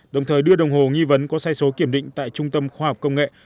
đồng thời đưa đồng hồ nghi vấn có sai số kiểm định tại trung tâm khoa học công nghệ